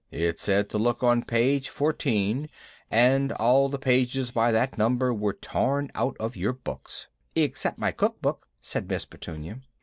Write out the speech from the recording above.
It said to look on page fourteen, and all the pages by that number was torn out of your books " "Except my cook book," said Miss Petunia.